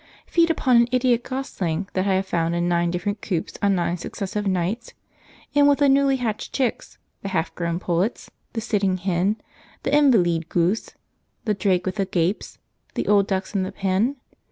Feed upon an idiot gosling that I have found in nine different coops on nine successive nights in with the newly hatched chicks, the half grown pullets, the setting hen, the "invaleed goose," the drake with the gapes, the old ducks in the pen?